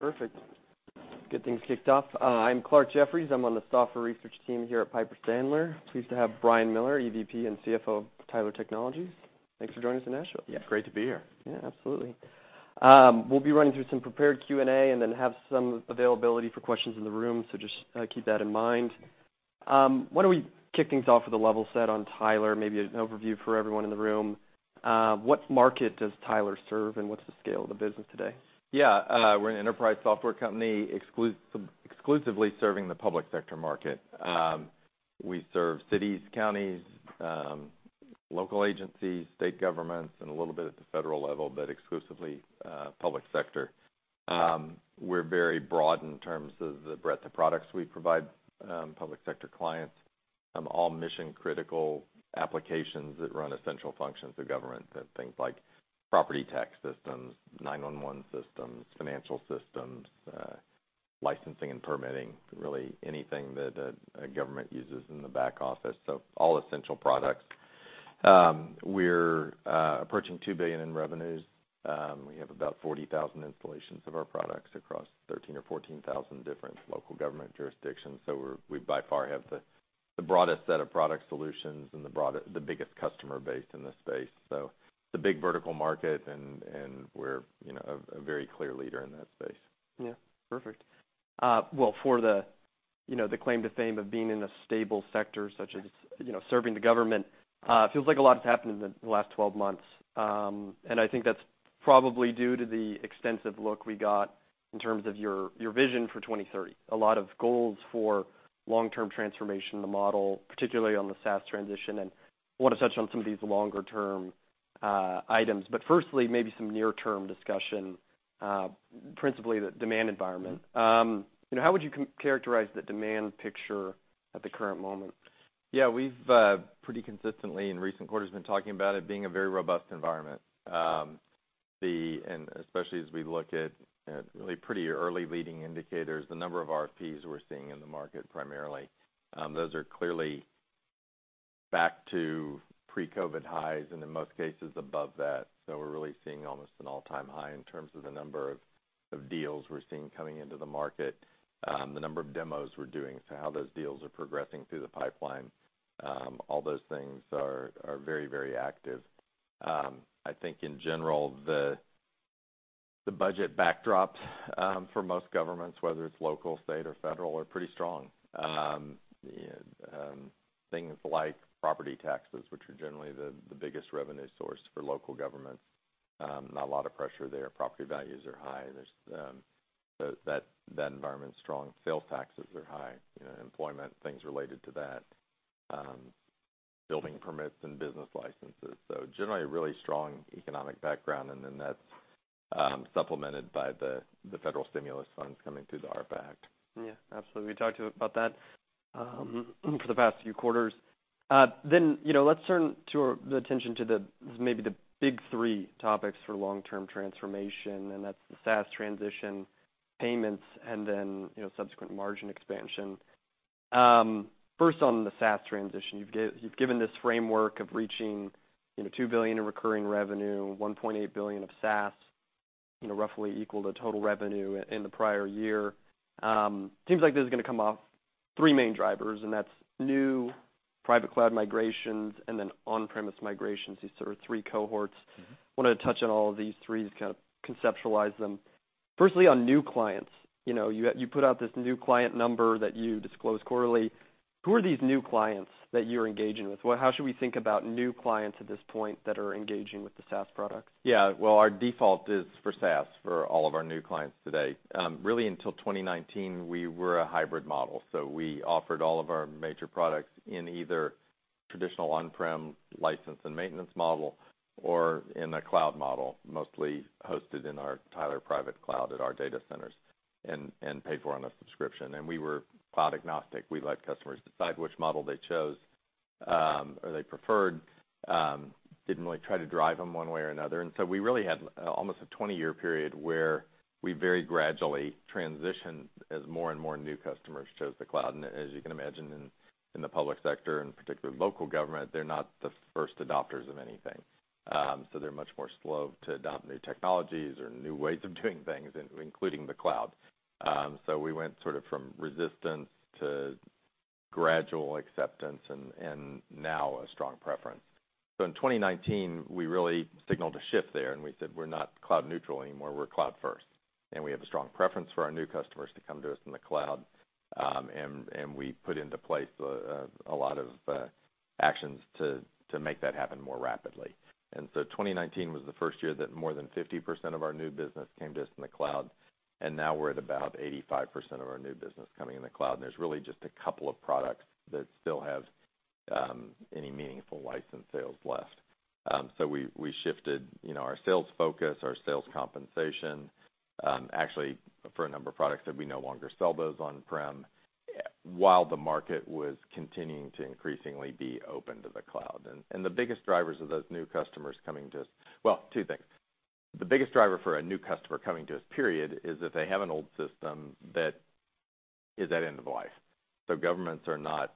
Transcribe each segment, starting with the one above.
Perfect. Get things kicked off. I'm Clarke Jeffries. I'm on the software research team here at Piper Sandler. Pleased to have Brian Miller, EVP and CFO of Tyler Technologies. Thanks for joining us in Nashville. Yeah, great to be here. Yeah, absolutely. We'll be running through some prepared Q&A, and then have some availability for questions in the room, so just keep that in mind. Why don't we kick things off with a level set on Tyler, maybe an overview for everyone in the room. What market does Tyler serve, and what's the scale of the business today? Yeah, we're an enterprise software company, exclusively serving the public sector market. We serve cities, counties, local agencies, state governments, and a little bit at the federal level, but exclusively public sector. We're very broad in terms of the breadth of products we provide public sector clients, all mission-critical applications that run essential functions of government. The things like property tax systems, 911 systems, financial systems, licensing and permitting, really anything that a government uses in the back office, so all essential products. We're approaching $2 billion in revenues. We have about 40,000 installations of our products across 13,000 to 14,000 different local government jurisdictions. So we, by far, have the broadest set of product solutions and the biggest customer base in this space. It's a big vertical market, and we're, you know, a very clear leader in that space. Yeah, perfect. Well, for the, you know, the claim to fame of being in a stable sector, such as, you know, serving the government, it feels like a lot has happened in the last 12 months. And I think that's probably due to the extensive look we got in terms of your vision for 2030. A lot of goals for long-term transformation in the model, particularly on the SaaS transition, and I want to touch on some of these longer-term items. But firstly, maybe some near-term discussion, principally the demand environment. Mm-hmm. You know, how would you characterize the demand picture at the current moment? Yeah, we've pretty consistently, in recent quarters, been talking about it being a very robust environment. Especially as we look at really pretty early leading indicators, the number of RFPs we're seeing in the market, primarily, those are clearly back to pre-COVID highs, and in most cases, above that. So we're really seeing almost an all-time high in terms of the number of deals we're seeing coming into the market, the number of demos we're doing, so how those deals are progressing through the pipeline. All those things are very, very active. I think in general, the budget backdrops for most governments, whether it's local, state, or federal, are pretty strong. Things like property taxes, which are generally the biggest revenue source for local government, not a lot of pressure there. Property values are high. There's so that environment's strong. Sales taxes are high, you know, employment, things related to that, building permits and business licenses. So generally, a really strong economic background, and then that's supplemented by the federal stimulus funds coming through the ARPA Act. Yeah, absolutely. We talked about that for the past few quarters. Then, you know, let's turn to our attention to the, maybe the big three topics for long-term transformation, and that's the SaaS transition, payments, and then, you know, subsequent margin expansion. First, on the SaaS transition, you've given this framework of reaching, you know, $2 billion in recurring revenue, $1.8 billion of SaaS, you know, roughly equal to total revenue in the prior year. Seems like this is gonna come off three main drivers, and that's new private cloud migrations and then on-premise migrations. These sort of three cohorts. Mm-hmm. Wanted to touch on all of these three to kind of conceptualize them. Firstly, on new clients, you know, you, you put out this new client number that you disclose quarterly. Who are these new clients that you're engaging with? How should we think about new clients at this point that are engaging with the SaaS products? Yeah. Well, our default is for SaaS for all of our new clients today. Really, until 2019, we were a hybrid model, so we offered all of our major products in either traditional on-prem license and maintenance model or in a cloud model, mostly hosted in our Tyler Private Cloud at our data centers, and paid for on a subscription. And we were cloud agnostic. We let customers decide which model they chose, or they preferred. Didn't really try to drive them one way or another. And so we really had almost a 20-year period where we very gradually transitioned as more and more new customers chose the cloud. And as you can imagine, in the public sector, and particularly local government, they're not the first adopters of anything. So they're much more slow to adopt new technologies or new ways of doing things, including the cloud. So we went sort of from resistance to gradual acceptance and now a strong preference. So in 2019, we really signaled a shift there, and we said, "We're not cloud neutral anymore. We're cloud first, and we have a strong preference for our new customers to come to us in the cloud." And we put into place a lot of actions to make that happen more rapidly. And so 2019 was the first year that more than 50% of our new business came to us in the cloud, and now we're at about 85% of our new business coming in the cloud, and there's really just a couple of products that still have any meaningful license sales left. So we shifted, you know, our sales focus, our sales compensation, actually, for a number of products that we no longer sell those on-prem, while the market was continuing to increasingly be open to the cloud. And the biggest drivers of those new customers coming to us. Well, two things. The biggest driver for a new customer coming to us, period, is if they have an old system that is at end of life. So governments are not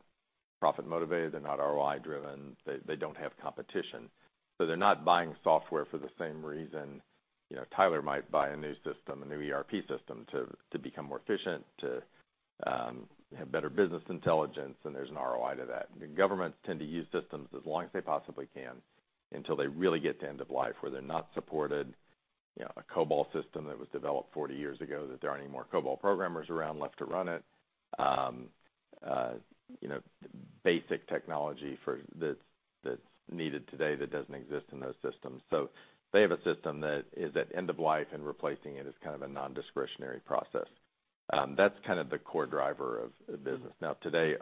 profit-motivated, they're not ROI-driven, they don't have competition. So they're not buying software for the same reason, you know, Tyler might buy a new system, a new ERP system, to, to become more efficient, to, have better business intelligence, and there's an ROI to that. The governments tend to use systems as long as they possibly can, until they really get to end of life, where they're not supported. You know, a COBOL system that was developed 40 years ago, that there aren't any more COBOL programmers around left to run it. You know, basic technology that's, that's needed today that doesn't exist in those systems. So they have a system that is at end of life, and replacing it is kind of a non-discretionary process. That's kind of the core driver of the business. Now, today,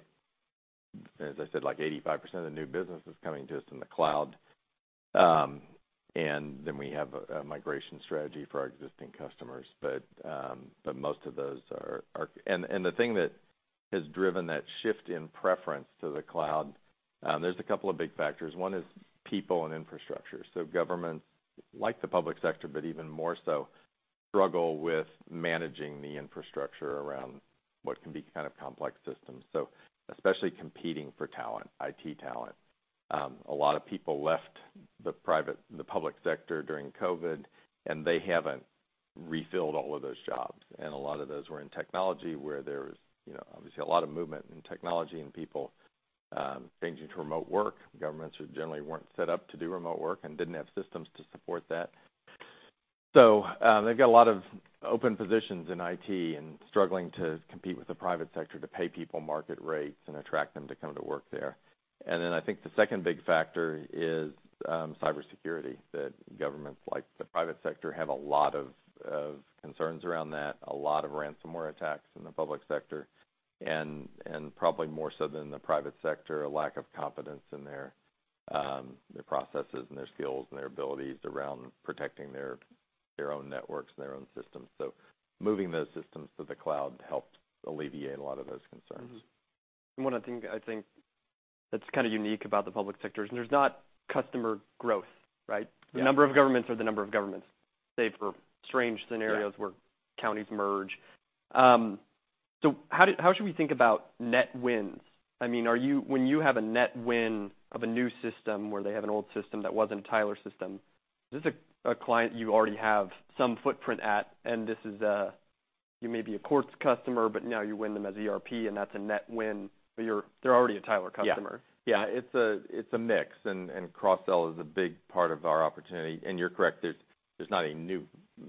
as I said, like, 85% of the new business is coming to us in the cloud. Then we have a migration strategy for our existing customers, but most of those are. And the thing that has driven that shift in preference to the cloud, there's a couple of big factors. One is people and infrastructure. So governments, like the public sector, but even more so, struggle with managing the infrastructure around what can be kind of complex systems, so especially competing for talent, IT talent. A lot of people left the public sector during COVID, and they haven't refilled all of those jobs. And a lot of those were in technology, where there was, you know, obviously a lot of movement in technology and people changing to remote work. Governments who generally weren't set up to do remote work and didn't have systems to support that. So, they've got a lot of open positions in IT and struggling to compete with the private sector to pay people market rates and attract them to come to work there. And then I think the second big factor is cybersecurity, that governments, like the private sector, have a lot of concerns around that, a lot of ransomware attacks in the public sector, and probably more so than the private sector, a lack of confidence in their their processes and their skills and their abilities around protecting their their own networks and their own systems. So moving those systems to the cloud helped alleviate a lot of those concerns. Mm-hmm. And one, I think, I think that's kind of unique about the public sector is there's not customer growth, right? Yeah. The number of governments are the number of governments, save for strange scenarios. Yeah - where counties merge. So how should we think about net wins? I mean, when you have a net win of a new system, where they have an old system that wasn't a Tyler system, is this a client you already have some footprint at, and this is, you may be a courts customer, but now you win them as ERP, and that's a net win, but they're already a Tyler customer? Yeah. Yeah, it's a mix, and cross-sell is a big part of our opportunity. And you're correct, there's not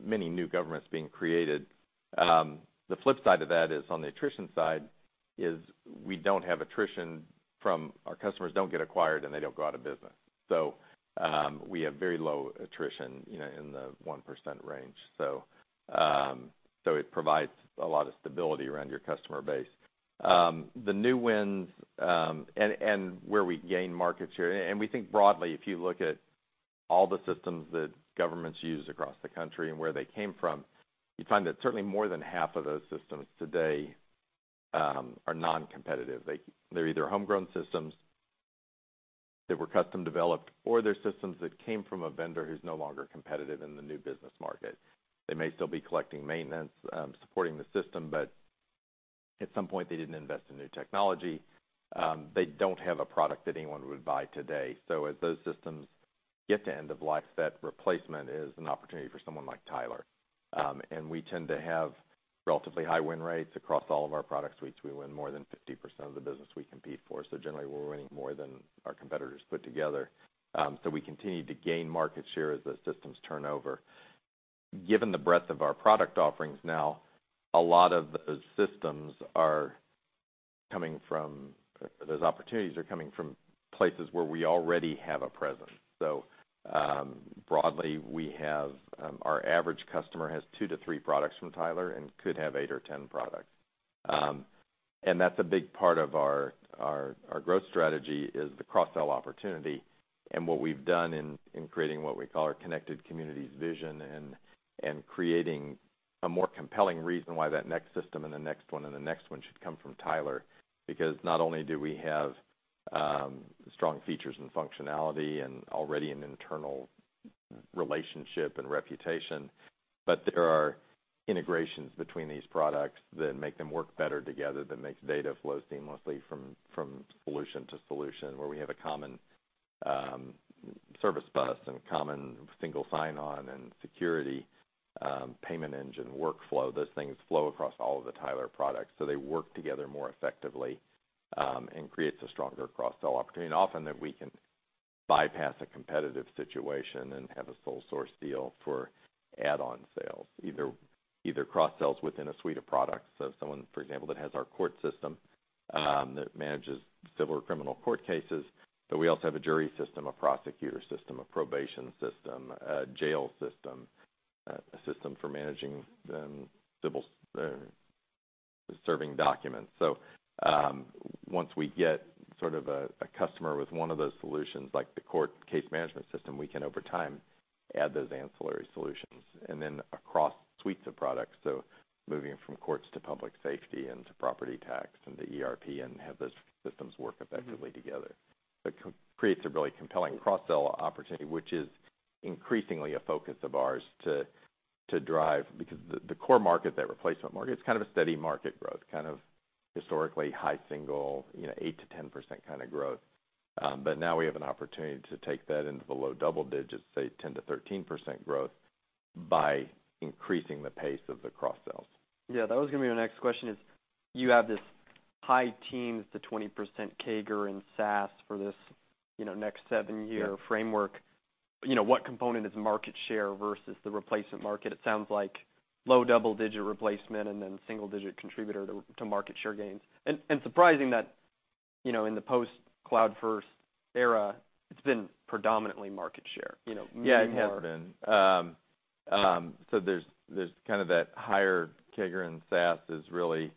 many new governments being created. The flip side of that is, on the attrition side, we don't have attrition from... Our customers don't get acquired, and they don't go out of business. So, we have very low attrition, you know, in the 1% range. So, so it provides a lot of stability around your customer base. The new wins, and where we gain market share, and we think broadly, if you look at all the systems that governments use across the country and where they came from, you find that certainly more than half of those systems today are non-competitive. They're either homegrown systems that were custom developed, or they're systems that came from a vendor who's no longer competitive in the new business market. They may still be collecting maintenance, supporting the system, but at some point, they didn't invest in new technology. They don't have a product that anyone would buy today. So as those systems get to end of life, that replacement is an opportunity for someone like Tyler. And we tend to have relatively high win rates across all of our product suites. We win more than 50% of the business we compete for, so generally, we're winning more than our competitors put together. So we continue to gain market share as the systems turn over. Given the breadth of our product offerings now, a lot of those systems, those opportunities, are coming from places where we already have a presence. So, broadly, we have, our average customer has two to three products from Tyler and could have eight or 10 products. That's a big part of our growth strategy is the cross-sell opportunity and what we've done in creating what we call our Connected Communities vision and creating a more compelling reason why that next system and the next one and the next one should come from Tyler. Because not only do we have strong features and functionality and already an internal relationship and reputation, but there are integrations between these products that make them work better together, that makes data flow seamlessly from solution to solution, where we have a common service bus and common single sign-on and security payment engine workflow. Those things flow across all of the Tyler products, so they work together more effectively and creates a stronger cross-sell opportunity. And often, that we can bypass a competitive situation and have a sole source deal for add-on sales, either cross-sells within a suite of products. So someone, for example, that has our court system that manages civil or criminal court cases, but we also have a jury system, a prosecutor system, a probation system, a jail system, a system for managing civil serving documents. So, once we get sort of a customer with one of those solutions, like the court case management system, we can, over time, add those ancillary solutions. And then across suites of products, so moving from courts to public safety and to property tax and to ERP and have those systems work effectively together. It co-creates a really compelling cross-sell opportunity, which is increasingly a focus of ours to drive, because the core market, that replacement market, it's kind of a steady market growth, kind of historically high single, you know, 8% to 10% kind of growth. But now we have an opportunity to take that into the low double digits, say 10%-13% growth, by increasing the pace of the cross-sells. Yeah, that was gonna be my next question, is you have this high teens-20% CAGR in SaaS for this, you know, next 7-year- Yeah framework. You know, what component is market share versus the replacement market? It sounds like low double-digit replacement, and then single digit contributor to market share gains. And surprising that, you know, in the post-cloud-first era, it's been predominantly market share, you know, meaning more- Yeah, it has been. So there's kind of that higher CAGR in SaaS is really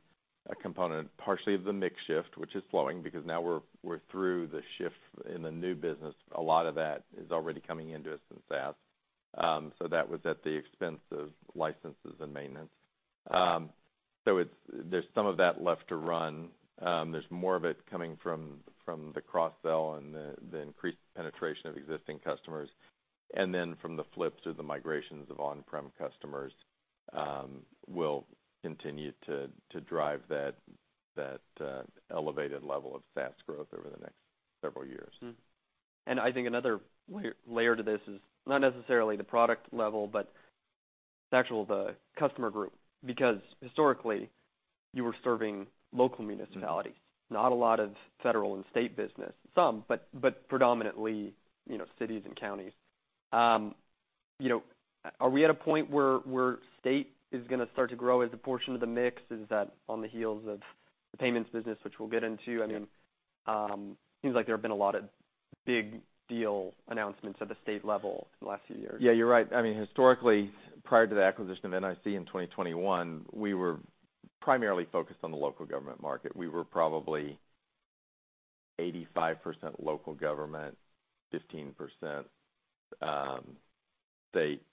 a component, partially of the mix shift, which is slowing, because now we're through the shift in the new business. A lot of that is already coming into us in SaaS. So that was at the expense of licenses and maintenance. So it's. There's some of that left to run. There's more of it coming from the cross-sell and the increased penetration of existing customers. And then from the flip to the migrations of on-prem customers, will continue to drive that elevated level of SaaS growth over the next several years. Mm-hmm. And I think another layer to this is not necessarily the product level, but it's actually the customer group, because historically, you were serving local municipalities- Mm-hmm. not a lot of federal and state business. Some, but predominantly, you know, cities and counties. You know, are we at a point where state is gonna start to grow as a portion of the mix? Is that on the heels of the payments business, which we'll get into? Yeah. I mean, seems like there have been a lot of big deal announcements at the state level in the last few years. Yeah, you're right. I mean, historically, prior to the acquisition of NIC in 2021, we were primarily focused on the local government market. We were probably 85% local government, 15%, state,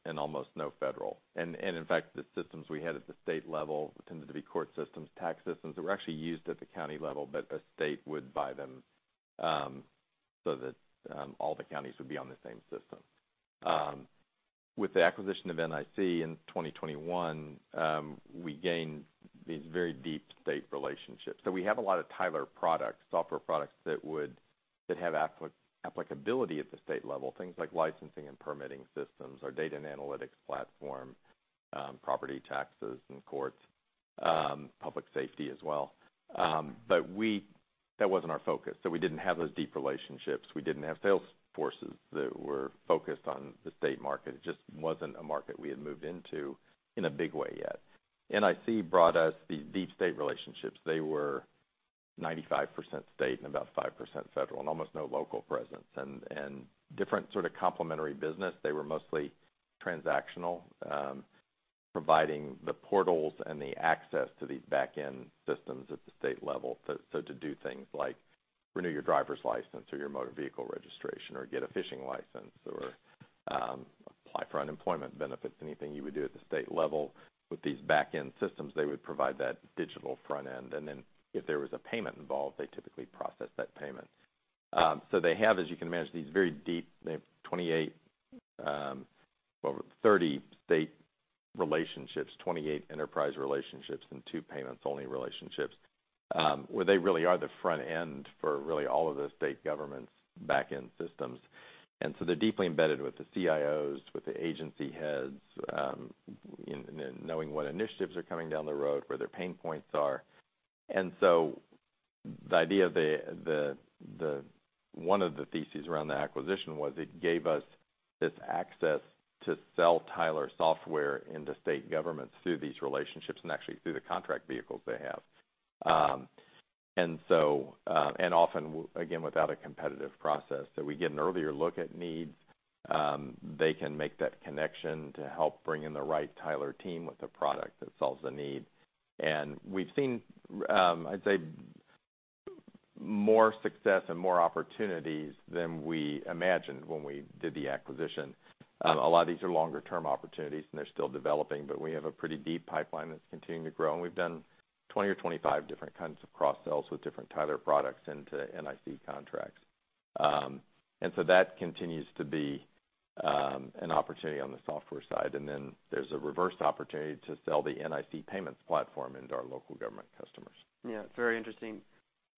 and almost no federal. In fact, the systems we had at the state level tended to be court systems, tax systems, that were actually used at the county level, but a state would buy them, so that all the counties would be on the same system. With the acquisition of NIC in 2021, we gained these very deep state relationships. So we have a lot of Tyler products, software products that have applicability at the state level, things like licensing and permitting systems, our data and analytics platform, property taxes and courts, public safety as well. But we... That wasn't our focus, so we didn't have those deep relationships. We didn't have sales forces that were focused on the state market. It just wasn't a market we had moved into in a big way yet. NIC brought us these deep state relationships. They were 95% state and about 5% federal, and almost no local presence, and different sort of complementary business. They were mostly transactional, providing the portals and the access to these back-end systems at the state level. So, so to do things like renew your driver's license or your motor vehicle registration, or get a fishing license, or apply for unemployment benefits, anything you would do at the state level with these back-end systems, they would provide that digital front end. And then if there was a payment involved, they typically processed that payment. So they have, as you can imagine, these very deep... They have 28, well, 30 state relationships, 28 enterprise relationships, and 2 payments-only relationships, where they really are the front end for really all of the state government's back-end systems. And so they're deeply embedded with the CIOs, with the agency heads, in knowing what initiatives are coming down the road, where their pain points are. And so the idea of the one of the theses around the acquisition was it gave us this access to sell Tyler software into state governments through these relationships and actually through the contract vehicles they have. And so, and often, again, without a competitive process. So we get an earlier look at needs, they can make that connection to help bring in the right Tyler team with a product that solves the need. We've seen, I'd say, more success and more opportunities than we imagined when we did the acquisition. Yeah. A lot of these are longer-term opportunities, and they're still developing, but we have a pretty deep pipeline that's continuing to grow, and we've done 20 or 25 different kinds of cross-sells with different Tyler products into NIC contracts. And so that continues to be an opportunity on the software side. And then there's a reverse opportunity to sell the NIC payments platform into our local government customers. Yeah, it's very interesting.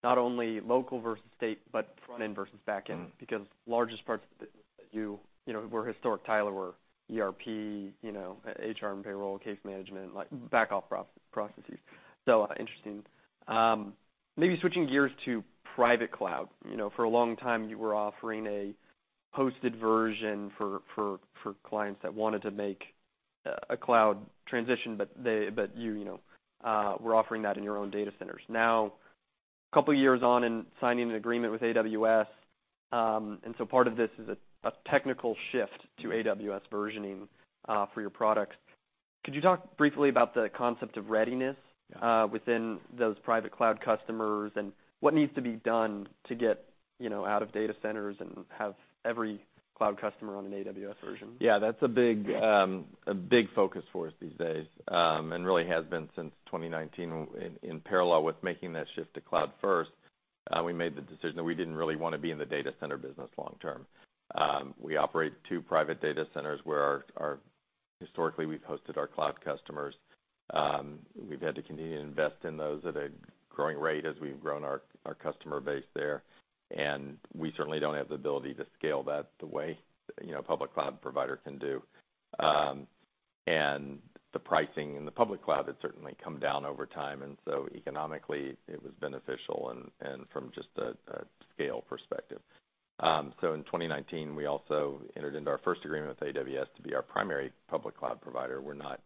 Not only local versus state, but front end versus back end- Mm-hmm. - because largest parts that you... You know, where historic Tyler were ERP, you know, HR and payroll, case management, like, back-office processes. So, interesting. Maybe switching gears to private cloud. You know, for a long time, you were offering a hosted version for clients that wanted to make a cloud transition, but you, you know, were offering that in your own data centers. Now, a couple of years on and signing an agreement with AWS, and so part of this is a technical shift to AWS versioning for your products. Could you talk briefly about the concept of readiness within those private cloud customers, and what needs to be done to get out of data centers and have every cloud customer on an AWS version? Yeah, that's a big, a big focus for us these days, and really has been since 2019, in parallel with making that shift to cloud first. We made the decision that we didn't really wanna be in the data center business long term. We operate two private data centers, where our historically, we've hosted our cloud customers. We've had to continue to invest in those at a growing rate as we've grown our customer base there, and we certainly don't have the ability to scale that the way, you know, a public cloud provider can do. And the pricing in the public cloud has certainly come down over time, and so economically, it was beneficial and, and from just a, a scale perspective. So in 2019, we also entered into our first agreement with AWS to be our primary public cloud provider. We're not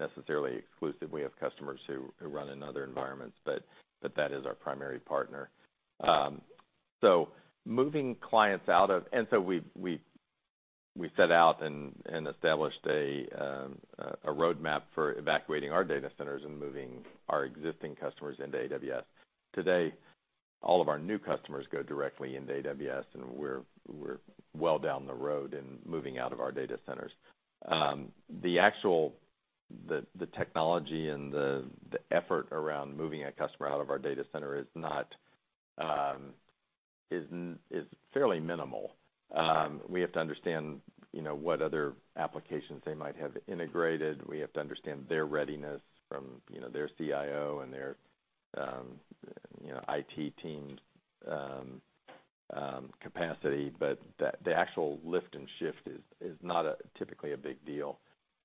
necessarily exclusive. We have customers who run in other environments, but that is our primary partner. So moving clients out of— and so we set out and established a roadmap for evacuating our data centers and moving our existing customers into AWS. Today, all of our new customers go directly into AWS, and we're well down the road in moving out of our data centers. The actual... The technology and the effort around moving a customer out of our data center is not... is fairly minimal. We have to understand, you know, what other applications they might have integrated. We have to understand their readiness from, you know, their CIO and their, you know, IT team's capacity, but the actual lift and shift is typically not a big deal.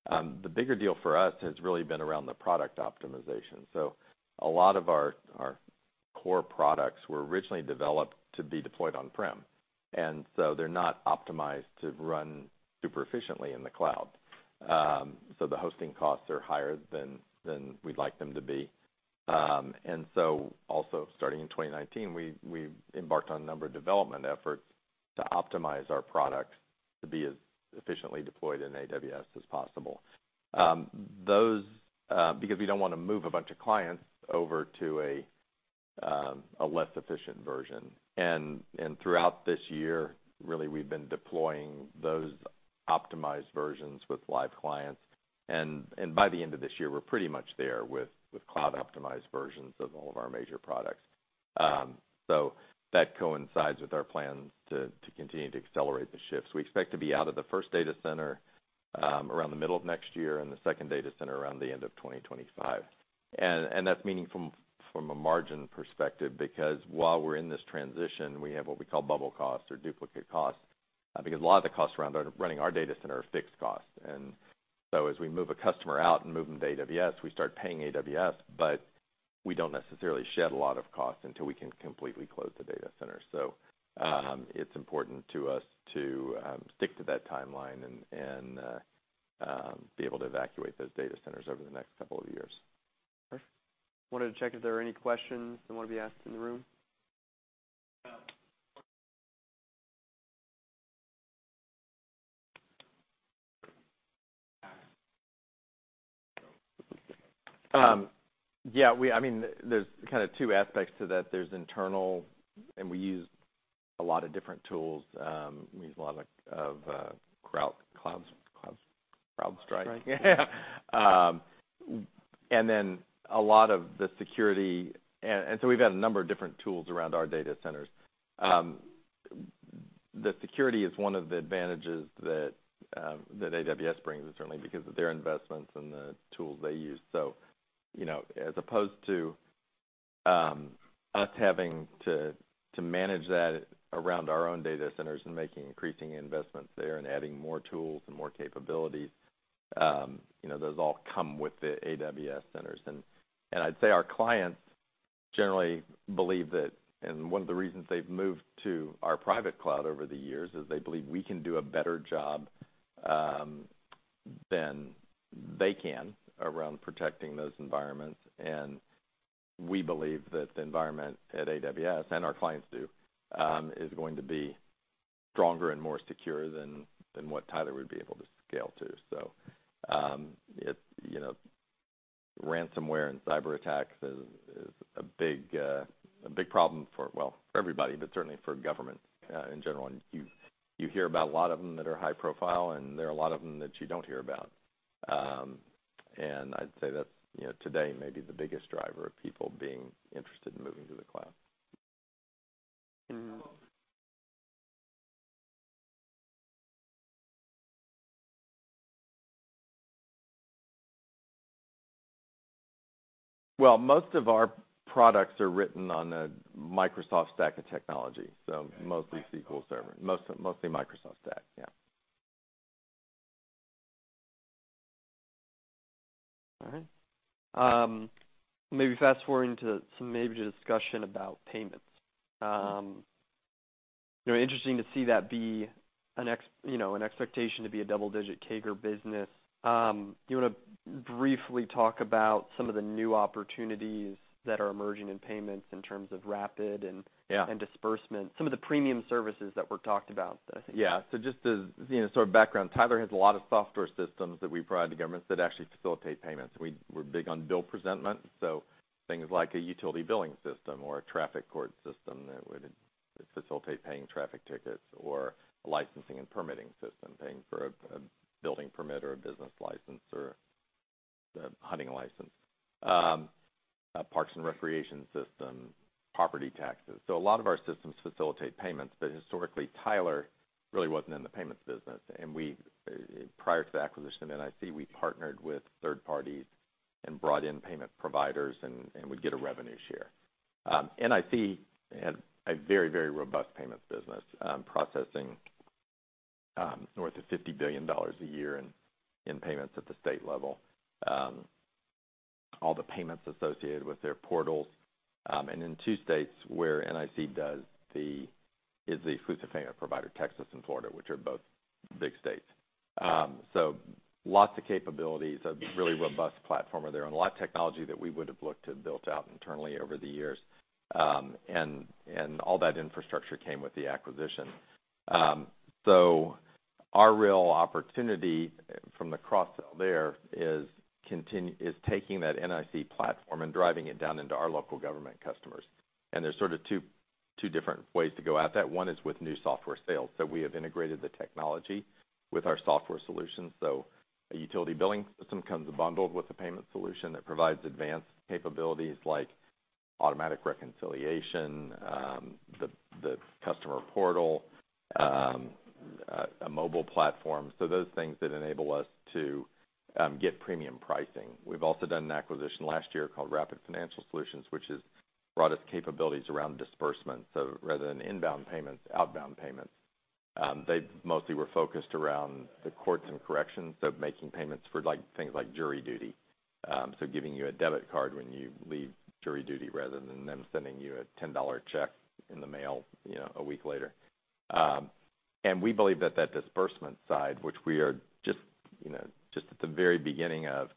The bigger deal for us has really been around the product optimization. So a lot of our core products were originally developed to be deployed on-prem, and so they're not optimized to run super efficiently in the cloud. So the hosting costs are higher than we'd like them to be. And so also starting in 2019, we embarked on a number of development efforts to optimize our products to be as efficiently deployed in AWS as possible. Those because we don't wanna move a bunch of clients over to a less efficient version. Throughout this year, really, we've been deploying those optimized versions with live clients. By the end of this year, we're pretty much there with cloud-optimized versions of all of our major products. So that coincides with our plans to continue to accelerate the shifts. We expect to be out of the first data center, around the middle of next year, and the second data center around the end of 2025. That's meaningful from a margin perspective, because while we're in this transition, we have what we call bubble costs or duplicate costs, because a lot of the costs around running our data center are fixed costs. And so, as we move a customer out and move them to AWS, we start paying AWS, but we don't necessarily shed a lot of costs until we can completely close the data center. So, it's important to us to stick to that timeline and be able to evacuate those data centers over the next couple of years. Wanted to check if there are any questions that want to be asked in the room? Yeah, I mean, there's kind of two aspects to that. There's internal, and we use a lot of different tools, we use a lot of CrowdStrike. And then a lot of the security, and so we've got a number of different tools around our data centers. The security is one of the advantages that AWS brings, certainly because of their investments and the tools they use. So, you know, as opposed to us having to manage that around our own data centers and making increasing investments there and adding more tools and more capabilities, you know, those all come with the AWS centers. I'd say our clients generally believe that, and one of the reasons they've moved to our private cloud over the years is they believe we can do a better job than they can around protecting those environments. And we believe that the environment at AWS, and our clients do, is going to be stronger and more secure than what Tyler would be able to scale to. So, you know, ransomware and cyberattacks is a big problem for, well, for everybody, but certainly for government in general. And you hear about a lot of them that are high profile, and there are a lot of them that you don't hear about. And I'd say that's, you know, today, maybe the biggest driver of people being interested in moving to the cloud. Mm-hmm. Well, most of our products are written on the Microsoft stack of technology, so mostly SQL Server. Most- mostly Microsoft stack. Yeah. All right. Maybe fast-forwarding to some, maybe to discussion about payments. You know, interesting to see that be an ex- you know, an expectation to be a double-digit CAGR business. Do you wanna briefly talk about some of the new opportunities that are emerging in payments in terms of Rapid and- Yeah... and disbursement? Some of the premium services that were talked about, I think. Yeah. So just as, you know, sort of background, Tyler has a lot of software systems that we provide to governments that actually facilitate payments. We're big on bill presentment, so things like a utility billing system or a traffic court system and facilitate paying traffic tickets or a licensing and permitting system, paying for a building permit or a business license or a hunting license. A parks and recreation system, property taxes. So a lot of our systems facilitate payments, but historically, Tyler really wasn't in the payments business, and we, prior to the acquisition of NIC, we partnered with third parties and brought in payment providers, and we'd get a revenue share. NIC had a very, very robust payments business, processing north of $50 billion a year in payments at the state level. All the payments associated with their portals, and in two states where NIC is the exclusive payment provider, Texas and Florida, which are both big states. So lots of capabilities, a really robust platform are there, and a lot of technology that we would have looked to build out internally over the years. And all that infrastructure came with the acquisition. So our real opportunity from the cross-sell there is taking that NIC platform and driving it down into our local government customers. And there's sort of two different ways to go at that. One is with new software sales. So we have integrated the technology with our software solutions. So a utility billing system comes bundled with a payment solution that provides advanced capabilities like automatic reconciliation, the customer portal, a mobile platform. So those things that enable us to get premium pricing. We've also done an acquisition last year called Rapid Financial Solutions, which has brought us capabilities around disbursement. So rather than inbound payments, outbound payments, they mostly were focused around the courts and corrections, so making payments for like, things like jury duty. So giving you a debit card when you leave jury duty, rather than them sending you a $10 check in the mail, you know, a week later. And we believe that, that disbursement side, which we are just, you know, just at the very beginning of,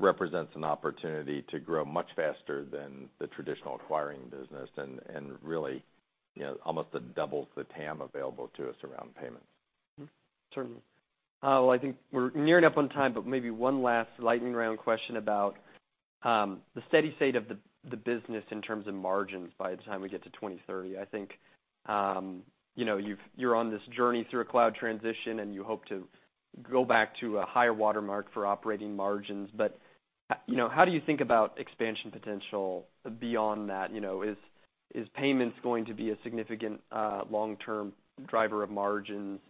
represents an opportunity to grow much faster than the traditional acquiring business and, and really, you know, almost doubles the TAM available to us around payments. Certainly. Well, I think we're nearing up on time, but maybe one last lightning round question about the steady state of the business in terms of margins by the time we get to 2030. I think, you know, you're on this journey through a cloud transition, and you hope to go back to a higher watermark for operating margins. But, you know, how do you think about expansion potential beyond that? You know, is payments going to be a significant long-term driver of margins?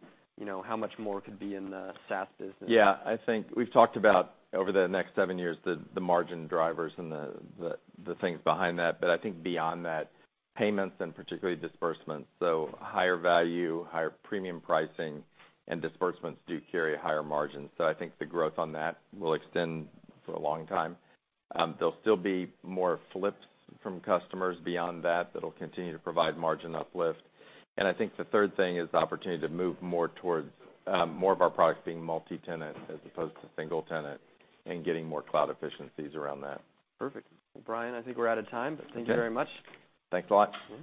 You know, how much more could be in the SaaS business? Yeah, I think we've talked about over the next seven years, the margin drivers and the things behind that. But I think beyond that, payments and particularly disbursements, so higher value, higher premium pricing and disbursements do carry a higher margin. So I think the growth on that will extend for a long time. There'll still be more flips from customers beyond that, that'll continue to provide margin uplift. And I think the third thing is the opportunity to move more towards more of our products being multi-tenant, as opposed to single tenant, and getting more cloud efficiencies around that. Perfect. Brian, I think we're out of time- Okay. Thank you very much. Thanks a lot.